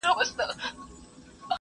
هم پخپله څاه کینو هم پکښي لوېږو